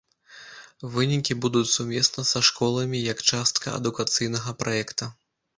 Вынікі будуць сумесна са школамі як частка адукацыйнага праекта.